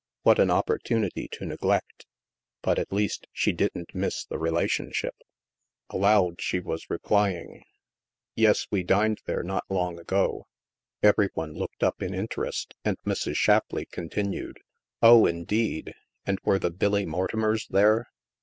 " What an opportunity to neglect ! But, at least, she didn't miss the relationship! ") 176 THE MASK Aloud she was replying :*' Yes, we dined there not long ago." Every one looked up in interest, and Mrs. Shap leigh continued: "Oh, indeed! And were the Billy Mortimers there